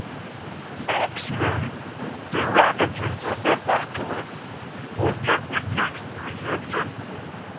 "X-Men: The Ravages of Apocalypse" was met with mixed reception.